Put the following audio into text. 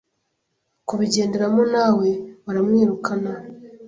kubigenderamo na we baramwirukana